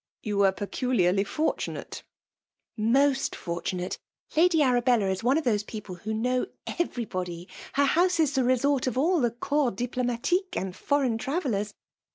*' You were peculiarly fortunate !*'•'' Most fortunate !— ^Lady Arabella is one of those people who know everybody. Her house is the resort of all the corps diploma tique, and foreign travellers.